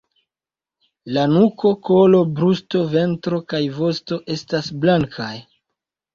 La nuko, kolo, brusto, ventro kaj vosto estas blankaj.